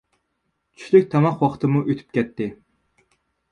چۈشلۈك تاماق ۋاقتىمۇ ئۆتۈپ كەتتى.